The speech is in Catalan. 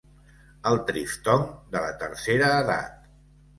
El triftong de la tercera edat.